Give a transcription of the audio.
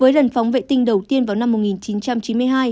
với lần phóng vệ tinh đầu tiên vào năm một nghìn chín trăm chín mươi hai